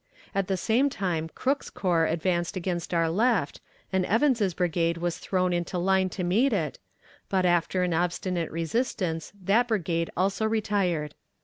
At the same time Crook's corps advanced against our left, and Evans's brigade was thrown into line to meet it, but, after an obstinate resistance, that brigade also retired.